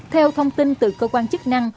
theo thông tin từ cơ quan chức năng